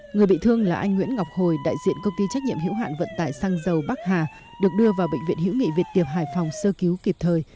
người bị thương là anh nguyễn ngọc hồi đại diện công ty trách nhiệm hữu hạn vận tải xăng dầu bắc hà được đưa vào bệnh viện hữu nghị việt tiệp hải phòng sơ cứu kịp thời